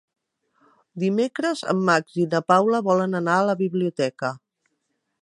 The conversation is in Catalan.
Dimecres en Max i na Paula volen anar a la biblioteca.